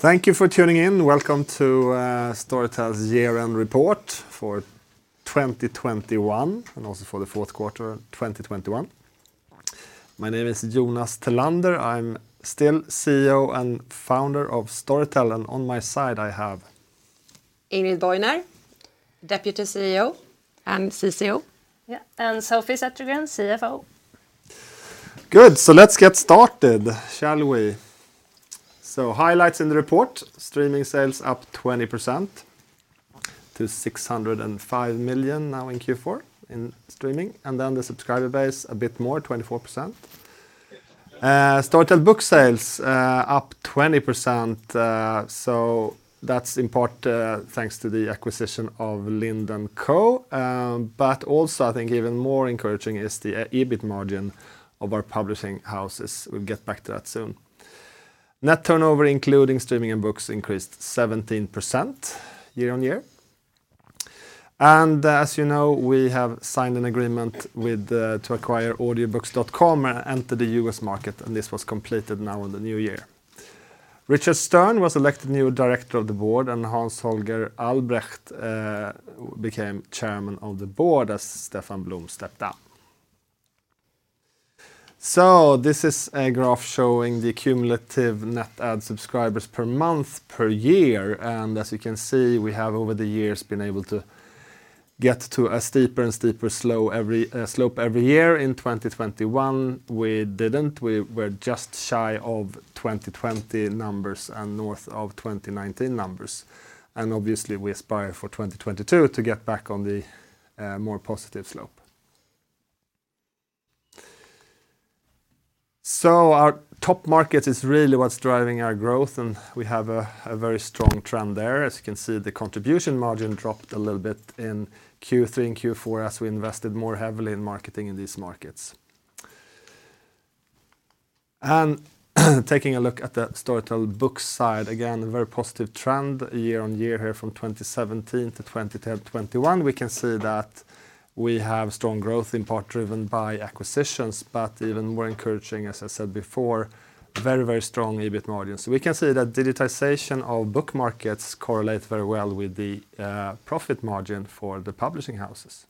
Thank you for tuning in. Welcome to Storytel's year-end report for 2021, and also for the Q4 2021. My name is Jonas Tellander. I'm still CEO and Founder of Storytel, and on my side I have Ingrid Bojner, Deputy CEO and CCO. Yeah, and Sofie Zettergren, CFO. Good. Let's get started, shall we? Highlights in the report, streaming sales up 20% to 605 million now in Q4 in streaming. Then the subscriber base a bit more, 24%. Storytel book sales up 20%, so that's in part thanks to the acquisition of Lind & Co. Also I think even more encouraging is the EBIT margin of our publishing houses. We'll get back to that soon. Net turnover, including streaming and books, increased 17% year-on-year. As you know, we have signed an agreement with to acquire Audiobooks.com and enter the US market, and this was completed now in the new year. Richard Stern was elected new director of the board, and Hans-Holger Albrecht became chairman of the board as Stefan Blom stepped down. This is a graph showing the cumulative net add subscribers per month, per year. As you can see, we have over the years been able to get to a steeper and steeper slope every year. In 2021, we didn't. We were just shy of 2020 numbers and north of 2019 numbers. Obviously, we aspire for 2022 to get back on the more positive slope. Our top market is really what's driving our growth, and we have a very strong trend there. As you can see, the contribution margin dropped a little bit in Q3 and Q4 as we invested more heavily in marketing in these markets. Taking a look at the Storytel book side, again, a very positive trend year-on-year here from 2017 to 2021. We can see that we have strong growth in part driven by acquisitions, but even more encouraging, as I said before, very, very strong EBIT margin. We can see that digitization of book markets correlate very well with the profit margin for the publishing houses.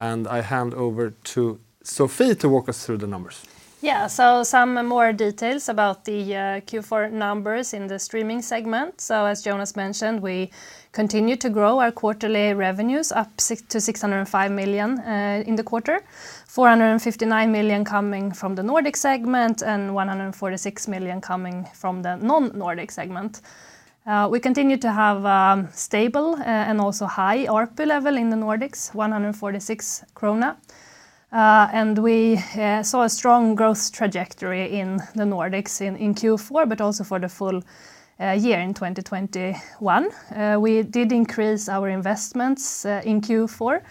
I hand over to Sofie to walk us through the numbers. Yeah, some more details about the Q4 numbers in the streaming segment. As Jonas mentioned, we continue to grow our quarterly revenues to 605 million in the quarter. 459 million coming from the Nordic segment and 146 million coming from the non-Nordic segment. We continue to have stable and also high ARPU level in the Nordics, 146 krona. We saw a strong growth trajectory in the Nordics in Q4, but also for the full year in 2021. We did increase our investments in Q4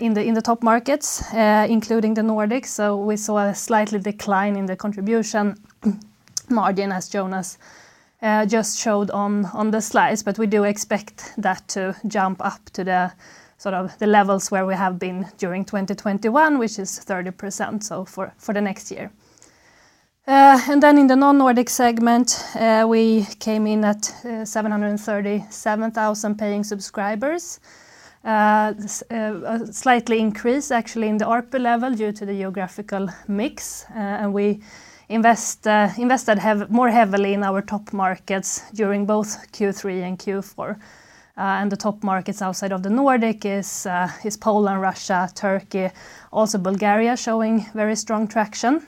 in the top markets, including the Nordics. We saw a slight decline in the contribution margin as Jonas just showed on the slides. We do expect that to jump up to the, sort of the levels where we have been during 2021, which is 30%, so for the next year. Then in the non-Nordic segment, we came in at 737,000 paying subscribers. Slightly increase actually in the ARPU level due to the geographical mix. We invested more heavily in our top markets during both Q3 and Q4. The top markets outside of the Nordic is Poland, Russia, Turkey, also Bulgaria showing very strong traction.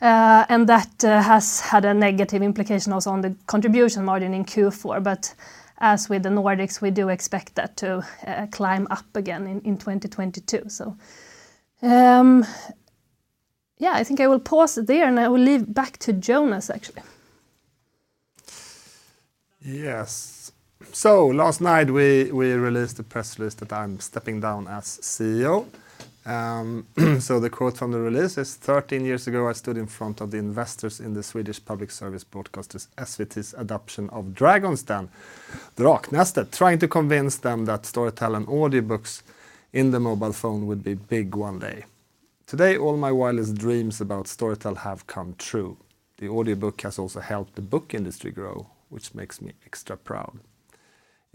That has had a negative implication also on the contribution margin in Q4. As with the Nordics, we do expect that to climb up again in 2022. Yeah, I think I will pause it there, and I will hand back to Jonas, actually. Yes. Last night we released a press release that I'm stepping down as CEO. The quote from the release is, "13 years ago, I stood in front of the investors in the Swedish Public Service broadcaster SVT's adaptation of Dragon's Den, Draknästet, trying to convince them that Storytel and audiobooks in the mobile phone would be big one day. Today, all my wildest dreams about Storytel have come true. The audiobook has also helped the book industry grow, which makes me extra proud.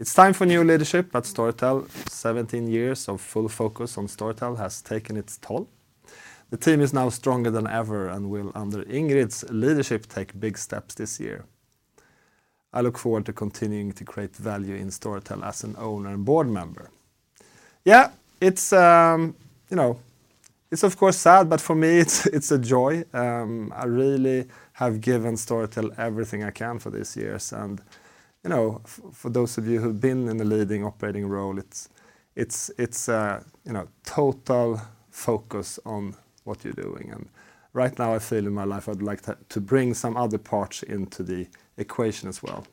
It's time for new leadership at Storytel. 17 years of full focus on Storytel has taken its toll. The team is now stronger than ever and will, under Ingrid's leadership, take big steps this year. I look forward to continuing to create value in Storytel as an owner and board member." Yeah, it's, you know, it's of course sad, but for me it's a, you know, total focus on what you're doing. Right now I feel in my life I'd like to bring some other parts into the equation as well.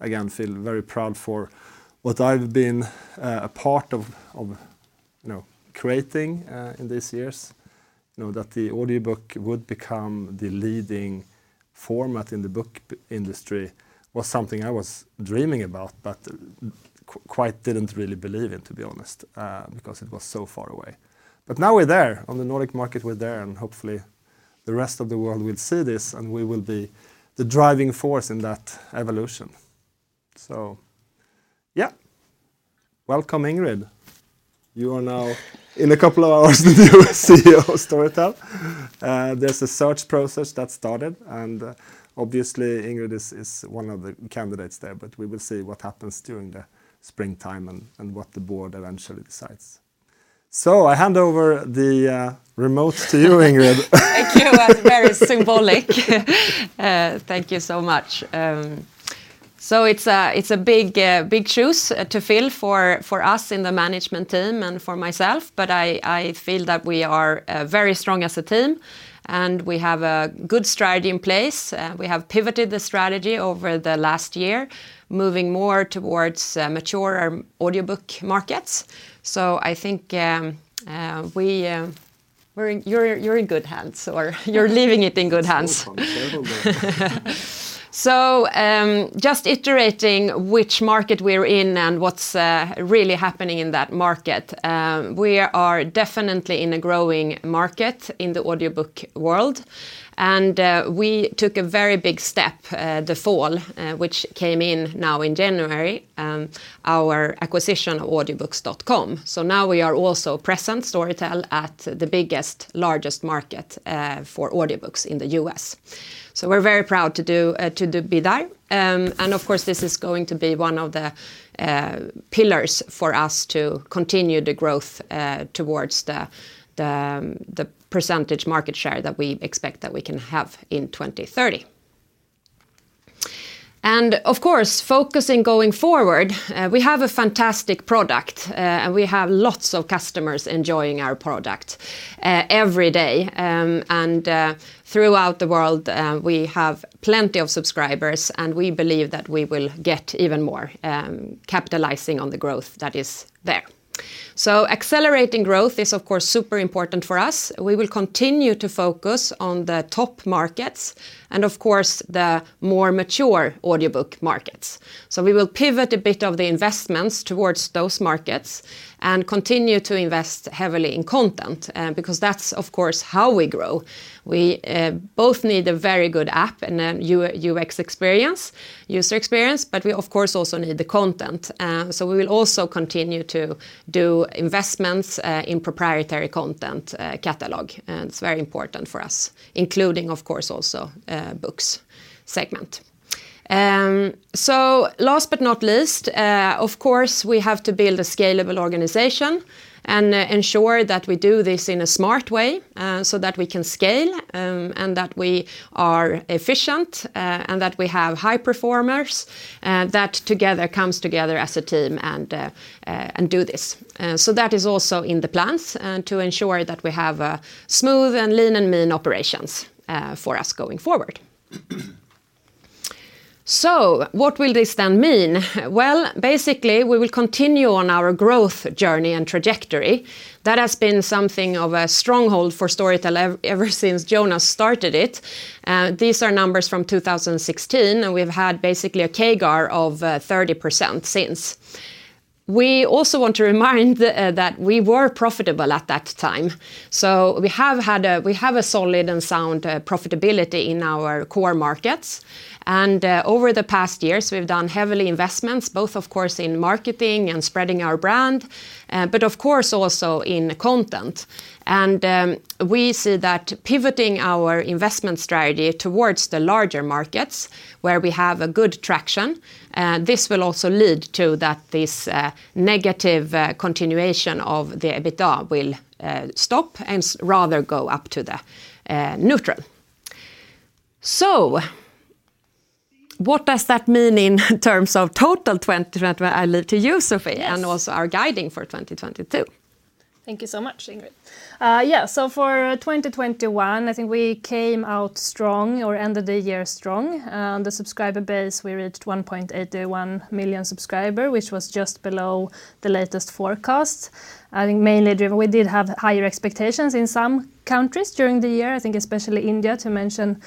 Again, feel very proud for what I've been a part of, you know, creating in these years. You know, that the audiobook would become the leading Format in the book industry was something I was dreaming about, but quite didn't really believe in, to be honest, because it was so far away. Now we're there. On the Nordic market we're there, and hopefully the rest of the world will see this, and we will be the driving force in that evolution. Yeah, welcome Ingrid. You are now, in a couple of hours, the new CEO of Storytel. There's a search process that started, and obviously Ingrid is one of the candidates there. We will see what happens during the springtime and what the board eventually decides. I hand over the remote to you, Ingrid. Thank you. That's very symbolic. Thank you so much. It's a big shoes to fill for us in the management team and for myself, but I feel that we are very strong as a team, and we have a good strategy in place. We have pivoted the strategy over the last year, moving more towards mature audiobook markets. I think you're in good hands, or you're leaving it in good hands. Just iterating which market we're in and what's really happening in that market. We are definitely in a growing market in the audiobook world, and we took a very big step the fall which came in now in January, our acquisition of Audiobooks.com. Now we are also present Storytel at the biggest, largest market for audiobooks in the U.S. We're very proud to be there. Of course, this is going to be one of the pillars for us to continue the growth towards the percentage market share that we expect that we can have in 2030. Of course, focusing going forward, we have a fantastic product, and we have lots of customers enjoying our product every day. Throughout the world, we have plenty of subscribers, and we believe that we will get even more, capitalizing on the growth that is there. Accelerating growth is, of course, super important for us. We will continue to focus on the top markets and, of course, the more mature audiobook markets. We will pivot a bit of the investments towards those markets and continue to invest heavily in content, because that's, of course, how we grow. We both need a very good app and a UX experience, user experience, but we, of course, also need the content. We will also continue to do investments in proprietary content catalog. It's very important for us, including, of course, also, books segment. Last but not least, of course, we have to build a scalable organization and ensure that we do this in a smart way, so that we can scale, and that we are efficient, and that we have high performers, that together comes together as a team and and do this. That is also in the plans, to ensure that we have a smooth and lean and mean operations, for us going forward. What will this then mean? Well, basically, we will continue on our growth journey and trajectory. That has been something of a stronghold for Storytel ever since Jonas started it. These are numbers from 2016, and we've had basically a CAGR of 30% since. We also want to remind them that we were profitable at that time, so we have a solid and sound profitability in our core markets. Over the past years we've done heavy investments, both of course in marketing and spreading our brand, but of course also in content. We see that pivoting our investment strategy towards the larger markets where we have good traction, this will also lead to that this negative continuation of the EBITDA will stop and rather go up to the neutral. What does that mean in terms of total 2020? I leave to you, Sofie. Our guidance for 2022. Thank you so much, Ingrid. For 2021, I think we came out strong or ended the year strong. The subscriber base, we reached 1.81 million subscribers, which was just below the latest forecast, I think mainly driven by higher expectations in some countries during the year, I think especially India, to mention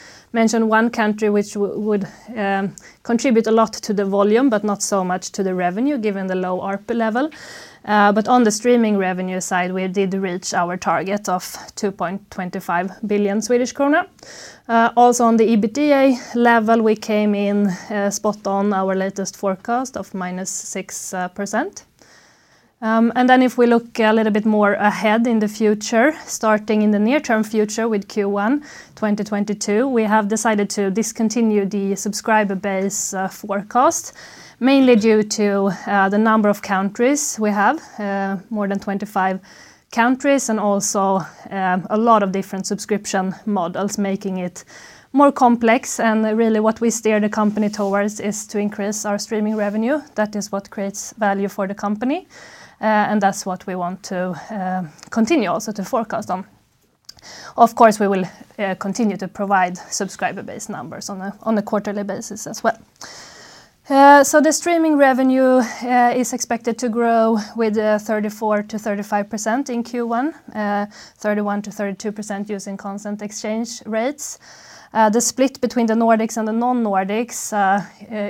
one country which would contribute a lot to the volume but not so much to the revenue given the low ARPU level. On the streaming revenue side, we did reach our target of 2.25 billion Swedish krona. Also on the EBITDA level, we came in spot on our latest forecast of -6%, and then if we look a little bit more ahead in the future, starting in the near term future with Q1 2022, we have decided to discontinue the subscriber base forecast, mainly due to the number of countries we have, more than 25 countries, and also a lot of different subscription models, making it more complex. Really, what we steer the company towards is to increase our streaming revenue. That is what creates value for the company, and that's what we want to continue also to forecast on. Of course, we will continue to provide subscriber-based numbers on a quarterly basis as well. The streaming revenue is expected to grow with 34%-35% in Q1. 31%-32% using constant exchange rates. The split between the Nordics and the non-Nordics,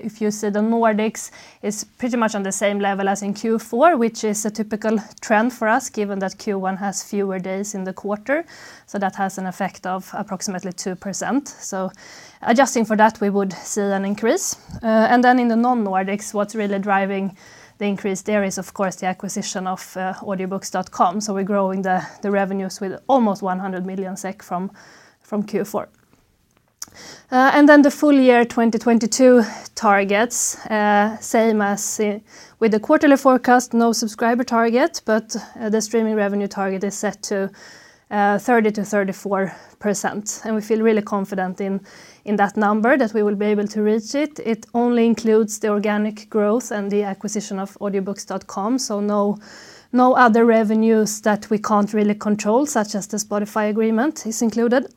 if you see the Nordics is pretty much on the same level as in Q4, which is a typical trend for us given that Q1 has fewer days in the quarter, so that has an effect of approximately 2%. Adjusting for that, we would see an increase. And then in the non-Nordics, what's really driving the increase there is, of course, the acquisition of Audiobooks.com, so we're growing the revenues with almost 100 million SEK from Q4. The full-year 2022 targets, same as with the quarterly forecast, no subscriber target, but the streaming revenue target is set to 30%-34%, and we feel really confident in that number that we will be able to reach it. It only includes the organic growth and the acquisition of Audiobooks.com, so no other revenues that we can't really control, such as the Spotify agreement, is included.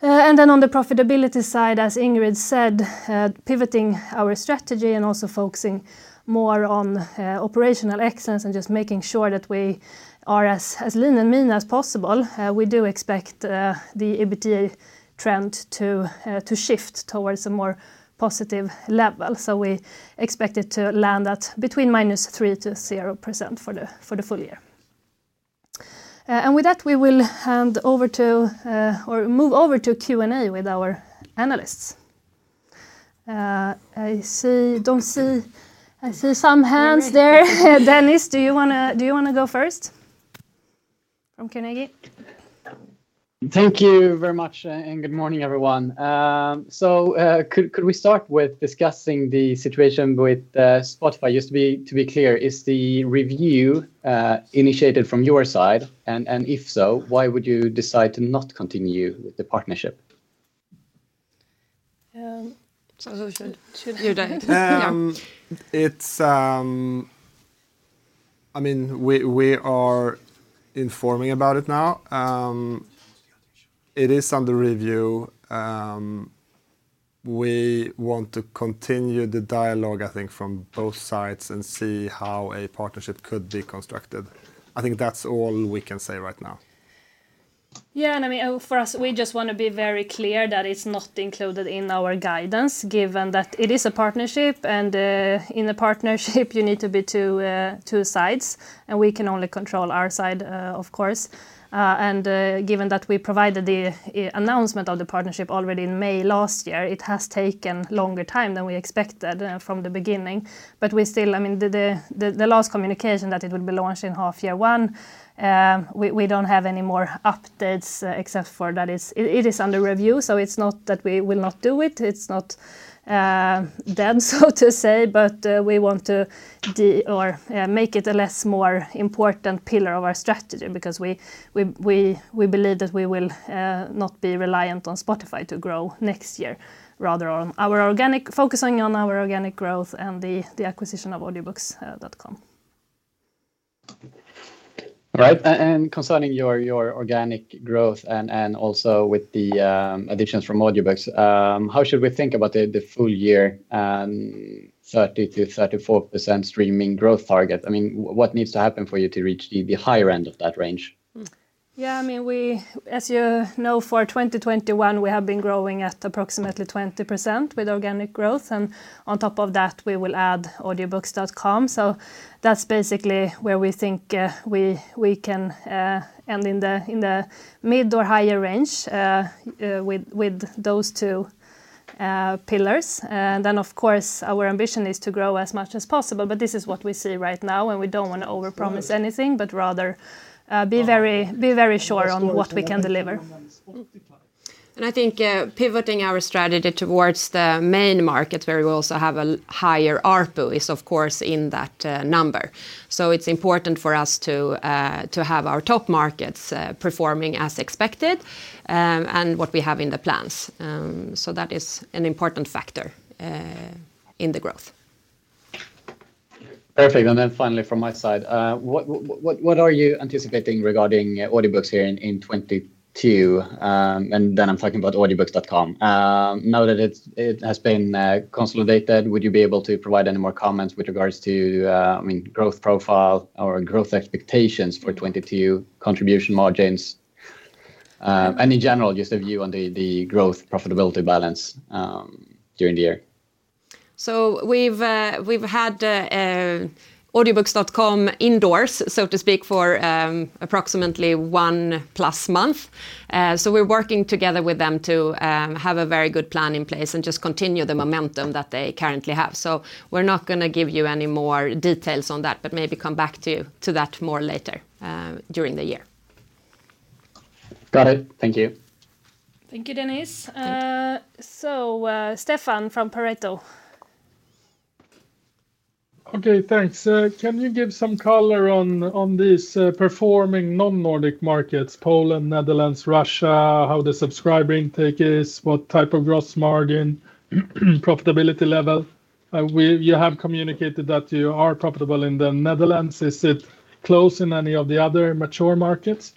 On the profitability side, as Ingrid said, pivoting our strategy and also focusing more on operational excellence and just making sure that we are as lean and mean as possible, we do expect the EBITDA trend to shift towards a more positive level. We expect it to land at between -3%-0% for the full year. With that, we will hand over to, or move over to Q&A with our analysts. I see some hands there. Dennis, do you want to go first? From Carnegie. Thank you very much, and good morning, everyone. Could we start with discussing the situation with Spotify? Just to be clear, is the review initiated from your side? If so, why would you decide to not continue with the partnership? Um, so should. You do it. Yeah. It's, I mean, we are informing about it now. It is under review. We want to continue the dialogue, I think, from both sides and see how a partnership could be constructed. I think that's all we can say right now. For us, we just want to be very clear that it's not included in our guidance given that it is a partnership, and in a partnership you need to be two sides, and we can only control our side, of course. Given that we provided the announcement of the partnership already in May last year, it has taken longer time than we expected from the beginning. We still, I mean, the last communication that it would be launched in half year one, we don't have any more updates except for that it is under review, so it's not that we will not do it. It's not dead, so to say. We want to make it less of a more important pillar of our strategy because we believe that we will not be reliant on Spotify to grow next year, rather on our organic growth and the acquisition of Audiobooks.com. Right. Concerning your organic growth and also with the additions from audio books, how should we think about the full year 30%-34% streaming growth target? I mean, what needs to happen for you to reach the higher end of that range? Yeah, I mean, as you know, for 2021, we have been growing at approximately 20% with organic growth, and on top of that, we will add Audiobooks.com, so that's basically where we think we can end in the mid or higher range with those two pillars. Then of course, our ambition is to grow as much as possible, but this is what we see right now, and we don't want to overpromise anything, but rather be very sure on what we can deliver. I think pivoting our strategy towards the main markets where we also have a higher ARPU is of course in that number. It's important for us to have our top markets performing as expected and what we have in the plans. That is an important factor in the growth. Perfect, then finally from my side, what are you anticipating regarding Audiobooks.com here in 2022? I'm talking about Audiobooks.com. Now that it has been consolidated, would you be able to provide any more comments with regards to, I mean, growth profile or growth expectations for 2022 contribution margins? In general, just a view on the growth profitability balance during the year. We've had Audiobooks.com indoors, so to speak, for approximately one plus month. We're working together with them to have a very good plan in place and just continue the momentum that they currently have. We're not going to give you any more details on that, but maybe come back to that more later during the year. Got it. Thank you. Thank you, Dennis. Stefan from Pareto. Okay, thanks. Can you give some color on this performing non-Nordic markets, Poland, Netherlands, Russia, how the subscriber intake is, what type of gross margin, profitability level? You have communicated that you are profitable in the Netherlands. Is it close in any of the other mature markets?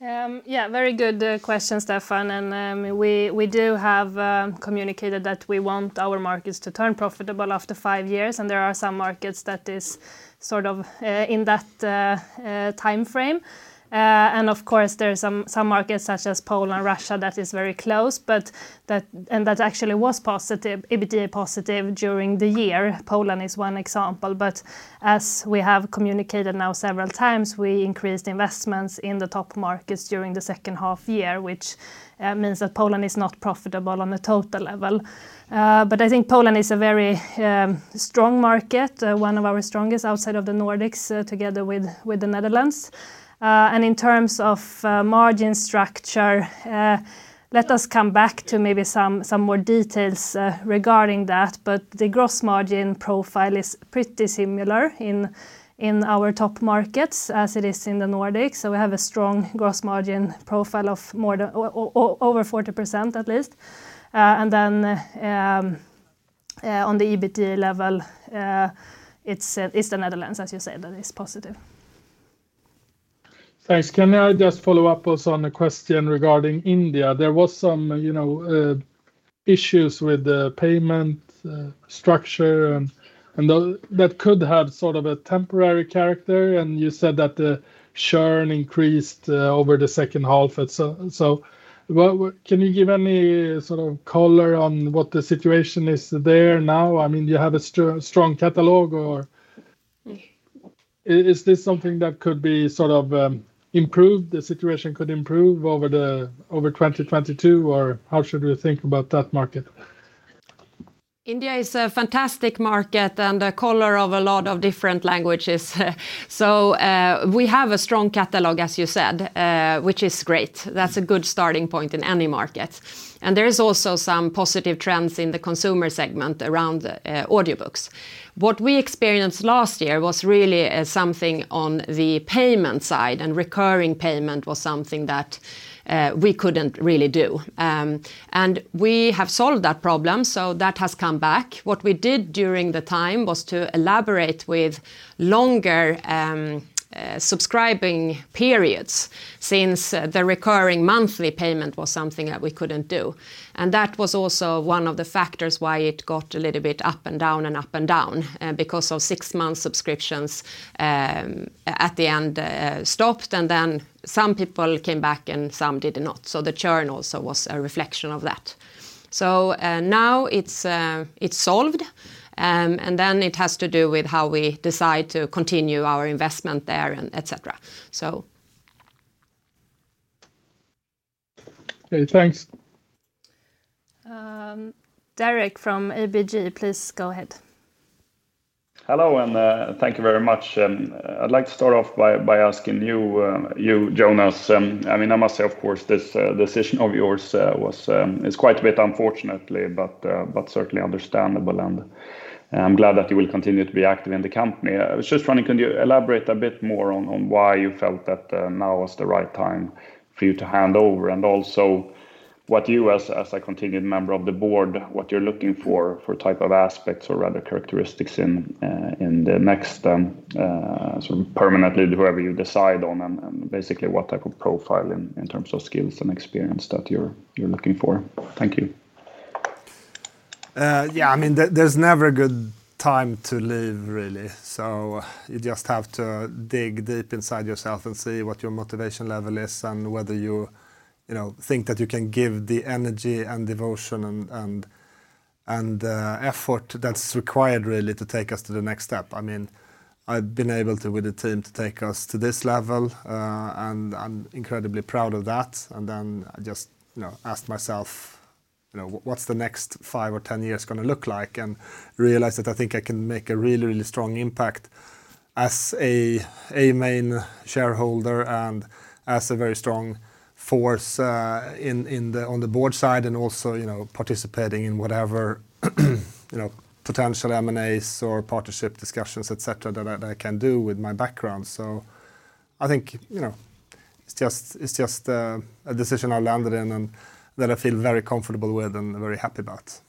Yeah, very good question, Stefan. We do have communicated that we want our markets to turn profitable after five years, and there are some markets that is sort of in that timeframe. Of course, there's some markets such as Poland, Russia that is very close, but that actually was EBITDA positive during the year. Poland is one example, but as we have communicated now several times, we increased investments in the top markets during the second half year, which means that Poland is not profitable on a total level. I think Poland is a very strong market, one of our strongest outside of the Nordics, together with the Netherlands. In terms of margin structure, let us come back to maybe some more details regarding that. The gross margin profile is pretty similar in our top markets as it is in the Nordics. We have a strong gross margin profile of more than over 40% at least. On the EBITDA level, it's the Netherlands, as you said, that is positive. Thanks. Can I just follow up also on the question regarding India? There was some, you know, issues with the payment structure and that could have sort of a temporary character, and you said that the churn increased over the second half. What can you give any sort of color on what the situation is there now? I mean, do you have a strong catalog or is this something that could be sort of improved, the situation could improve over 2022? Or how should we think about that market? India is a fantastic market and color of a lot of different languages. We have a strong catalog, as you said, which is great. That's a good starting point in any market. There is also some positive trends in the consumer segment around audiobooks. What we experienced last year was really something on the payment side, and recurring payment was something that we couldn't really do. We have solved that problem, so that has come back. What we did during the time was to experiment with longer subscription periods since the recurring monthly payment was something that we couldn't do. That was also one of the factors why it got a little bit up and down, because of six-month subscriptions at the end stopped, and then some people came back and some did not. The churn also was a reflection of that. Now it's solved. Then it has to do with how we decide to continue our investment there and et cetera. Okay, thanks. Derek from ABG, please go ahead. Hello, thank you very much. I'd like to start off by asking you, Jonas. I mean, I must say, of course, this decision of yours is quite a bit unfortunately, but certainly understandable, and I'm glad that you will continue to be active in the company. I was just wondering, could you elaborate a bit more on why you felt that now was the right time for you to hand over? And also, what you as a continued member of the board, what you're looking for, type of aspects or rather characteristics in the next sort of permanent whoever you decide on, and basically what type of profile in terms of skills and experience that you're looking for? Thank you. Yeah. I mean, there's never a good time to leave really. You just have to dig deep inside yourself and see what your motivation level is and whether you know, think that you can give the energy and devotion and effort that's required really to take us to the next step. I mean, I've been able to, with the team, to take us to this level, and I'm incredibly proud of that. I just, you know, asked myself, you know, "What's the next five or 10 years going to look like?" I realized that I think I can make a really, really strong impact as a main shareholder and as a very strong force in the, on the board side and also, you know, participating in whatever, you know, potential M&As or partnership discussions, et cetera, that I can do with my background. I think, you know, it's just a decision I landed in and that I feel very comfortable with and very happy about.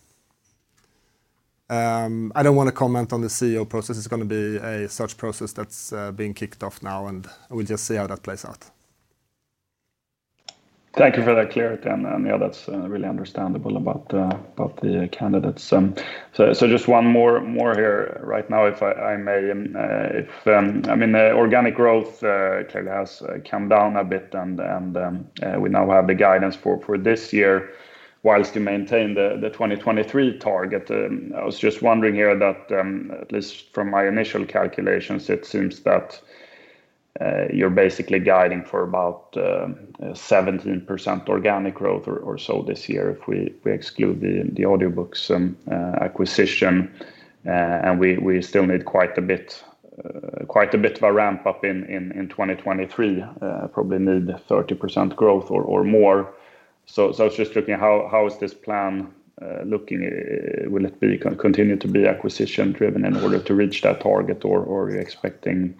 I don't want to comment on the CEO process. It's going to be a search process that's being kicked off now, and we'll just see how that plays out. Thank you for that clarity. Yeah, that's really understandable about the candidates. Just one more here right now if I may. I mean, the organic growth clearly has come down a bit and we now have the guidance for this year while you maintain the 2023 target. I was just wondering here that at least from my initial calculations, it seems that you're basically guiding for about 17% organic growth or so this year if we exclude the audiobooks acquisition. We still need quite a bit of a ramp-up in 2023, probably need 30% growth or more. I was just looking how is this plan looking? Will it continue to be acquisition-driven in order to reach that target or are you expecting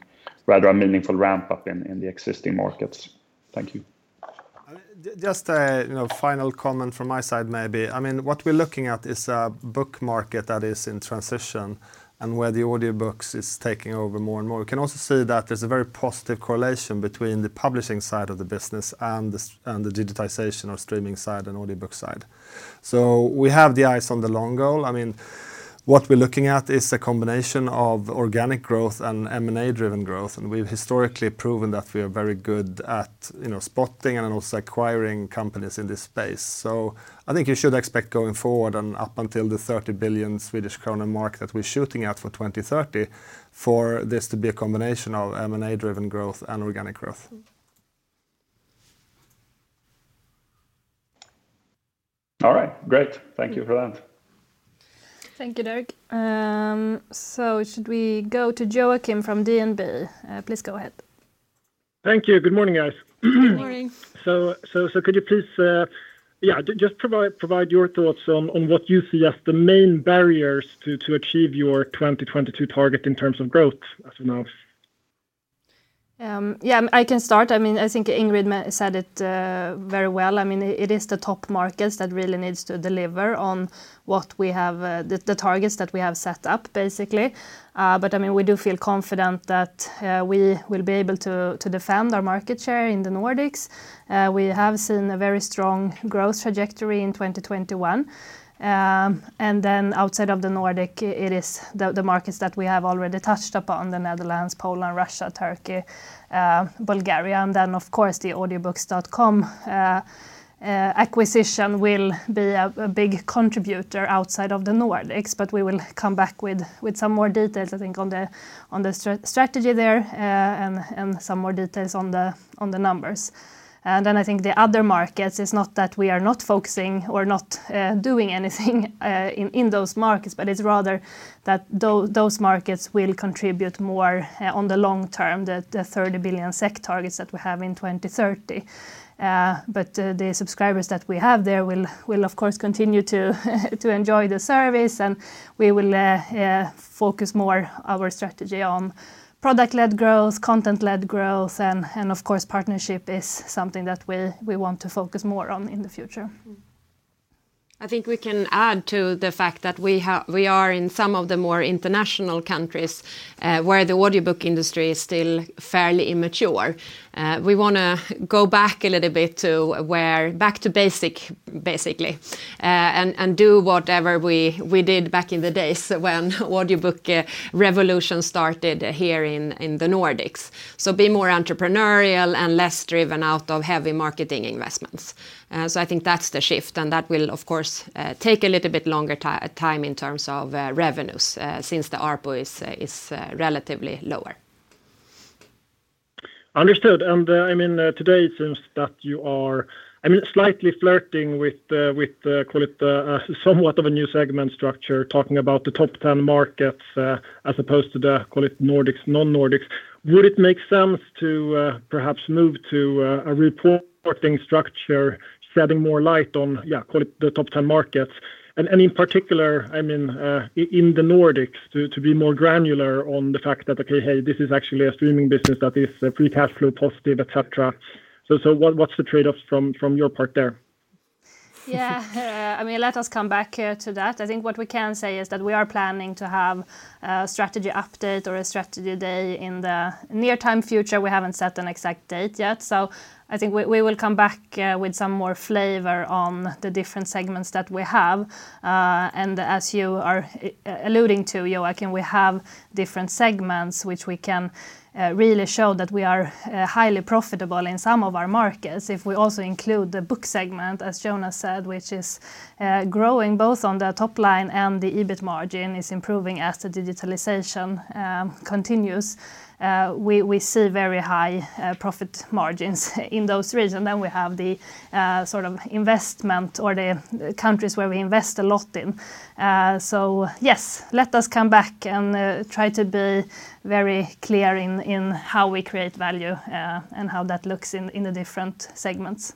rather a meaningful ramp-up in the existing markets? Thank you. I mean, just a, you know, final comment from my side maybe. I mean, what we're looking at is a book market that is in transition and where the audiobooks is taking over more and more. We can also see that there's a very positive correlation between the publishing side of the business and the digitization or streaming side and audiobook side. We have the eyes on the long goal. I mean, what we're looking at is a combination of organic growth and M&A-driven growth, and we've historically proven that we are very good at, you know, spotting and also acquiring companies in this space. I think you should expect going forward and up until the 30 billion Swedish kronor mark that we're shooting at for 2030, for this to be a combination of M&A-driven growth and organic growth. All right. Great. Thank you for that. Thank you, Derek. Should we go to Joakim from DNB? Please go ahead. Thank you. Good morning, guys. Good morning. Could you please just provide your thoughts on what you see as the main barriers to achieve your 2022 target in terms of growth as of now? Yeah, I can start. I mean, I think Ingrid said it very well. I mean, it is the top markets that really needs to deliver on what we have the targets that we have set up, basically. I mean, we do feel confident that we will be able to defend our market share in the Nordics. We have seen a very strong growth trajectory in 2021. Then outside of the Nordic, it is the markets that we have already touched upon, the Netherlands, Poland, Russia, Turkey, Bulgaria. Then of course, the Audiobooks.com acquisition will be a big contributor outside of the Nordics. We will come back with some more details, I think, on the strategy there, and some more details on the numbers. I think the other markets, it's not that we are not focusing or not doing anything in those markets, but it's rather that those markets will contribute more on the long term, the 30 billion SEK targets that we have in 2030. The subscribers that we have there will of course continue to enjoy the service, and we will focus more our strategy on product-led growth, content-led growth, and of course, partnership is something that we want to focus more on in the future. I think we can add to the fact that we are in some of the more international countries, where the audiobook industry is still fairly immature. We want to go back a little bit, back to basics, basically, and do whatever we did back in the days when audiobook revolution started here in the Nordics. Be more entrepreneurial and less driven out of heavy marketing investments. I think that's the shift, and that will of course take a little bit longer time in terms of revenues, since the ARPU is relatively lower. Understood. I mean, today it seems that you are, I mean, slightly flirting with the call it somewhat of a new segment structure, talking about the top 10 markets, as opposed to the call it Nordics, non-Nordics. Would it make sense to perhaps move to a reporting structure, shedding more light on, yeah, call it the top 10 markets? In particular, I mean, in the Nordics to be more granular on the fact that, okay, hey, this is actually a streaming business that is free cash flow positive, et cetera. What’s the trade-offs from your part there? Yeah. I mean, let us come back to that. I think what we can say is that we are planning to have a strategy update or a strategy day in the near-term future. We haven't set an exact date yet. I think we will come back with some more flavor on the different segments that we have. And as you are alluding to, Joakim, we have different segments which we can really show that we are highly profitable in some of our markets. If we also include the book segment, as Jonas said, which is growing both on the top line, and the EBIT margin is improving as the digitalization continues, we see very high profit margins in those regions. We have the sort of investment or the countries where we invest a lot in. Yes, let us come back and try to be very clear in how we create value, and how that looks in the different segments.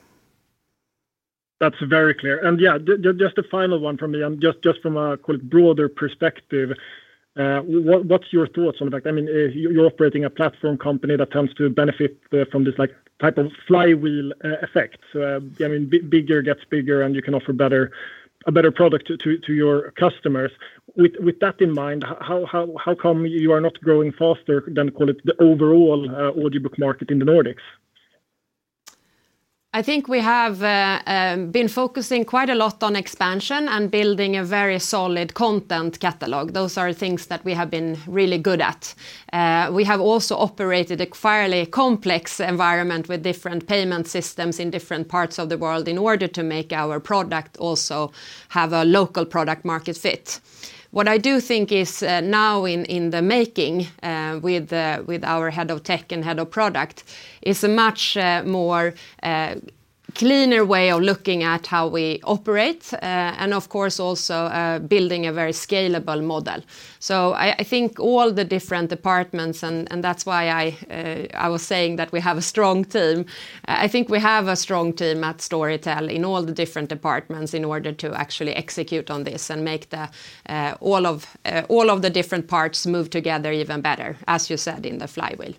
That's very clear. Yeah, just a final one from me, just from a, call it, broader perspective, what's your thoughts on that? I mean, you're operating a platform company that tends to benefit from this, like, type of flywheel effect. I mean, bigger gets bigger, and you can offer a better product to your customers. With that in mind, how come you are not growing faster than, call it, the overall audiobook market in the Nordics? I think we have been focusing quite a lot on expansion and building a very solid content catalog. Those are things that we have been really good at. We have also operated a fairly complex environment with different payment systems in different parts of the world in order to make our product also have a local product market fit. What I do think is now in the making with our head of tech and head of product is a much more cleaner way of looking at how we operate and of course also building a very scalable model. I think all the different departments, and that's why I was saying that we have a strong team. I think we have a strong team at Storytel in all the different departments in order to actually execute on this and make all of the different parts move together even better, as you said, in the flywheel.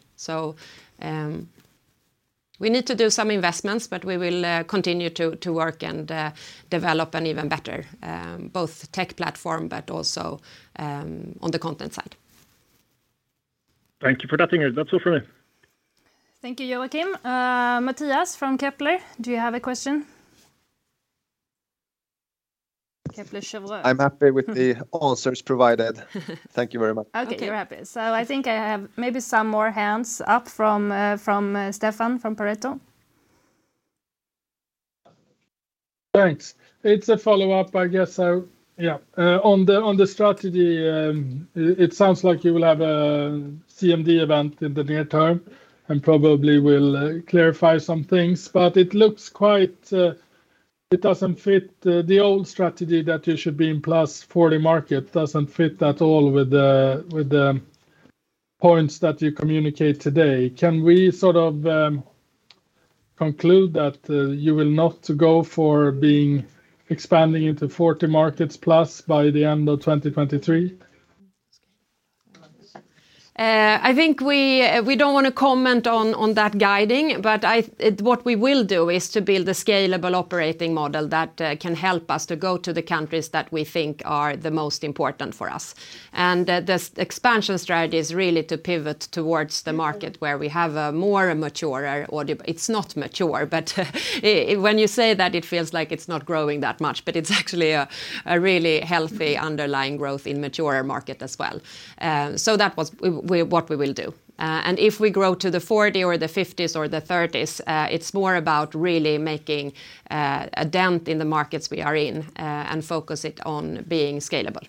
We need to do some investments, but we will continue to work and develop an even better both tech platform, but also on the content side. Thank you for that, Ingrid. That's all for me. Thank you, Joakim. Matthias from Kepler, do you have a question? Kepler Cheuvreux. I'm happy with the answers provided. Thank you very much. Okay, you're happy. Okay. I think I have maybe some more hands up from Stefan from Pareto. Thanks. It's a follow-up, I guess. Yeah, on the strategy, it sounds like you will have a CMD event in the near term and probably will clarify some things, but it looks quite, it doesn't fit the old strategy that you should be in plus 40 market. Doesn't fit at all with the points that you communicate today. Can we sort of conclude that you will not go for being expanding into 40 markets plus by the end of 2023? I think we don't want to comment on that guidance, but what we will do is to build a scalable operating model that can help us to go to the countries that we think are the most important for us. The expansion strategy is really to pivot towards the market where we have a more mature. It's not mature, but when you say that, it feels like it's not growing that much, but it's actually a really healthy underlying growth in mature markets as well. That was what we will do. If we grow to the 40 or the 50s or the 30s, it's more about really making a dent in the markets we are in, and focus it on being scalable.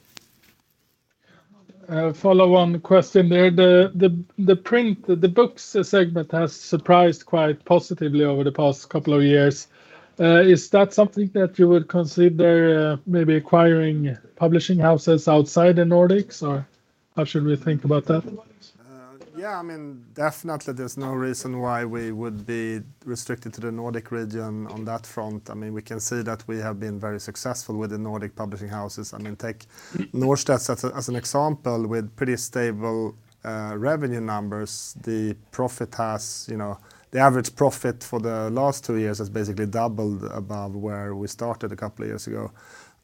Follow-on question there. The print books segment has surprised quite positively over the past couple of years. Is that something that you would consider, maybe acquiring publishing houses outside the Nordics, or how should we think about that? Yeah, I mean, definitely there's no reason why we would be restricted to the Nordic region on that front. I mean, we can see that we have been very successful with the Nordic publishing houses. I mean, take Norstedts as an example with pretty stable revenue numbers. The profit has, you know, the average profit for the last two years has basically doubled above where we started a couple of years ago,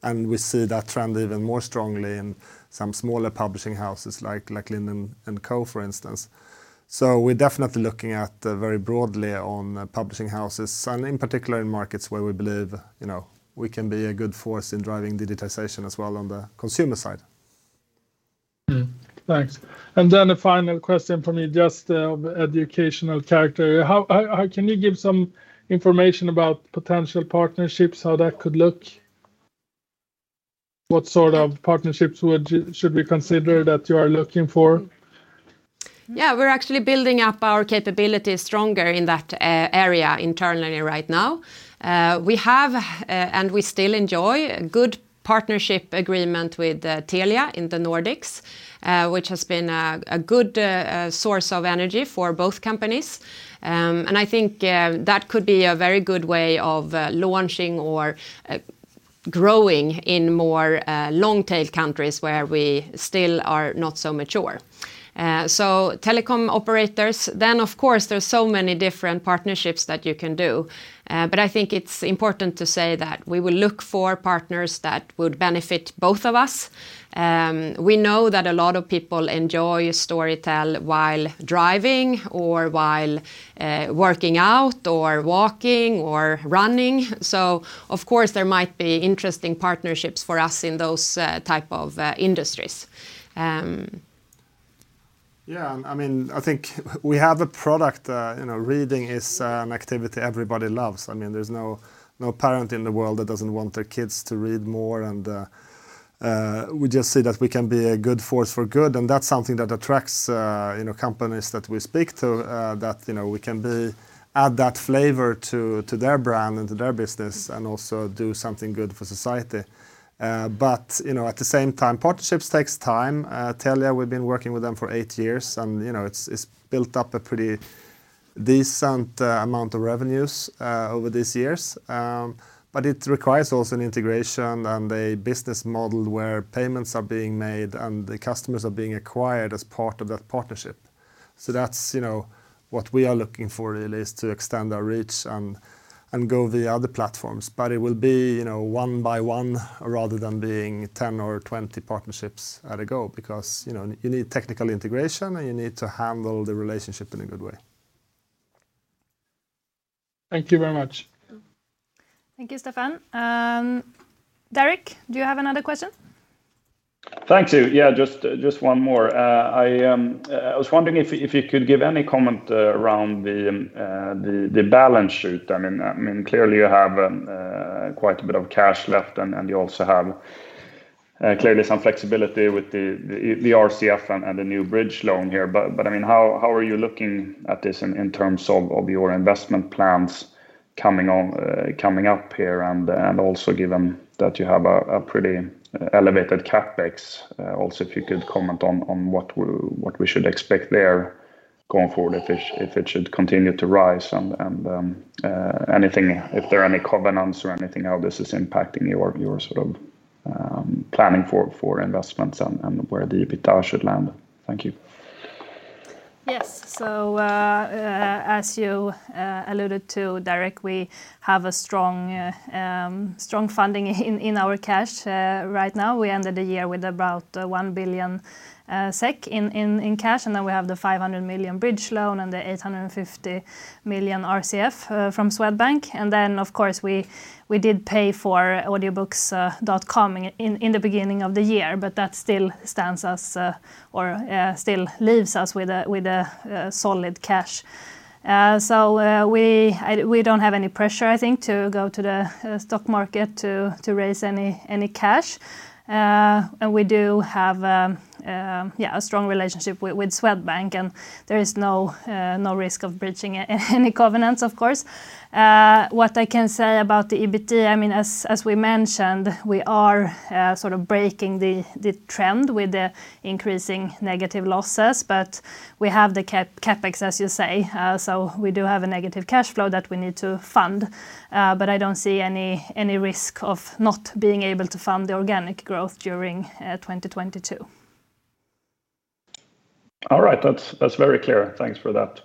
and we see that trend even more strongly in some smaller publishing houses like Lind & Co, for instance. We're definitely looking at very broadly on publishing houses and in particular in markets where we believe, you know, we can be a good force in driving digitization as well on the consumer side. Thanks. Then a final question for me, just, of educational character. How can you give some information about potential partnerships, how that could look? What sort of partnerships would you, should we consider that you are looking for? Yeah, we're actually building up our capabilities stronger in that area internally right now. We have and we still enjoy a good partnership agreement with Telia in the Nordics, which has been a good source of energy for both companies. I think that could be a very good way of launching or growing in more long tail countries where we still are not so mature. Telecom operators, then of course, there's so many different partnerships that you can do. I think it's important to say that we will look for partners that would benefit both of us. We know that a lot of people enjoy Storytel while driving or while working out or walking or running. Of course, there might be interesting partnerships for us in those, type of, industries. Yeah, I mean, I think we have a product, you know, reading is activity everybody loves. I mean, there's no parent in the world that doesn't want their kids to read more, and we just see that we can be a good force for good, and that's something that attracts, you know, companies that we speak to, that, you know, we can add that flavor to their brand and to their business and also do something good for society. You know, at the same time, partnerships takes time. Telia, we've been working with them for eight years and, you know, it's built up a pretty decent amount of revenues over these years. It requires also an integration and a business model where payments are being made and the customers are being acquired as part of that partnership. That's, you know, what we are looking for really is to extend our reach and go to the other platforms. It will be, you know, one by one rather than being 10 or 20 partnerships at a go because, you know, you need technical integration and you need to handle the relationship in a good way. Thank you very much. Thank you, Stefan. Derek, do you have another question? Thank you. Yeah, just one more. I was wondering if you could give any comment around the balance sheet. I mean, clearly you have quite a bit of cash left and you also have clearly some flexibility with the RCF and the new bridge loan here. I mean, how are you looking at this in terms of your investment plans coming up here and also given that you have a pretty elevated CapEx, also if you could comment on what we should expect there going forward if it should continue to rise and anything, if there are any covenants or anything, how this is impacting your sort of planning for investments and where the EBITDA should land. Thank you. Yes. As you alluded to Derek, we have a strong funding in our cash right now. We ended the year with about 1 billion SEK in cash, and then we have the 500 million bridge loan and the 850 million RCF from Swedbank. Of course we did pay for Audiobooks.com in the beginning of the year, but that still leaves us with a solid cash. We don't have any pressure I think to go to the stock market to raise any cash. We do have a strong relationship with Swedbank, and there is no risk of breaching any covenants of course. What I can say about the EBIT, I mean, as we mentioned, we are sort of breaking the trend with the increasing negative losses, but we have the CapEx, as you say. So we do have a negative cash flow that we need to fund, but I don't see any risk of not being able to fund the organic growth during 2022. All right. That's very clear. Thanks for that.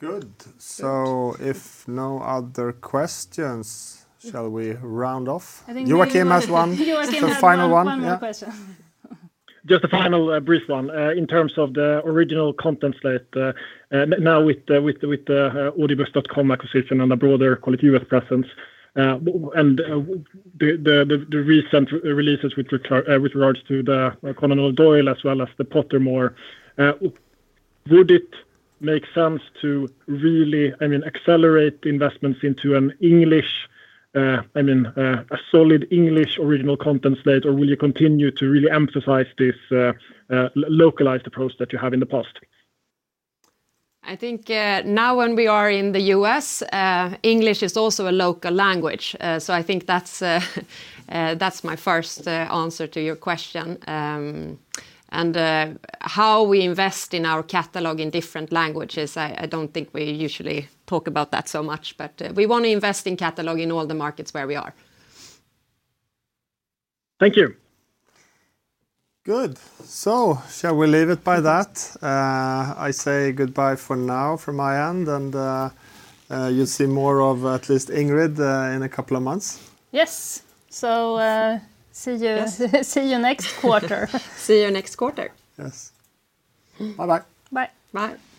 Good. If no other questions, shall we round off? I think Joakim has one. Joakim has one. Joakim has one. The final one. Yeah. One more question. Just a final, brief one. In terms of the original content slate, now with the Audiobooks.com acquisition on a broader quality U.S. presence, and the recent releases with regards to the Conan Doyle as well as the Pottermore, would it make sense to really, I mean, accelerate the investments into an English, I mean, a solid English original content slate, or will you continue to really emphasize this localized approach that you have in the past? I think, now when we are in the U.S., English is also a local language. I think that's my first answer to your question. How we invest in our catalog in different languages, I don't think we usually talk about that so much, but we want to invest in catalog in all the markets where we are. Thank you. Good. Shall we leave it by that? I say goodbye for now from my end, and you'll see more of at least Ingrid in a couple of months. Yes. See you. Yes See you next quarter. See you next quarter. Yes. Bye-bye. Bye. Bye.